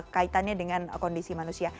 kaitannya dengan kondisi manusia